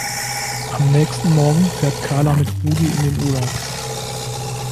Am nächsten Morgen fährt Carla mit Rudi in den Urlaub.